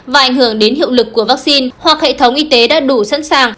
và ảnh hưởng đến hiệu lực của vaccine hoặc hệ thống y tế đã đủ sẵn sàng